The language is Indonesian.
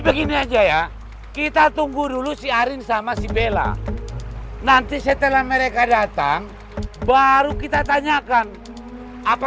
begini aja ya kita tunggu dulu si arin sama si bella nanti setelah mereka datang baru kita tanyakan apa